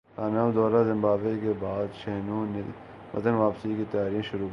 کامیاب دورہ زمبابوے کے بعد شاہینوں نے وطن واپسی کی تیاریاں شروع کردیں